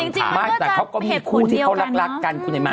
ไม่แต่เขาก็มีคู่ที่เขารักกันคุณไอ้ม้า